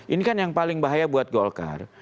ini kan yang paling bahaya buat golkar